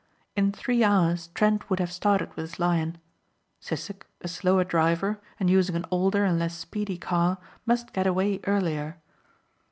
In three hours Trent would have started with his Lion. Sissek a slower driver and using an older and less speedy car must get away earlier.